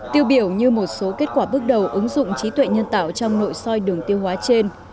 tiêu biểu như một số kết quả bước đầu ứng dụng trí tuệ nhân tạo trong nội soi đường tiêu hóa trên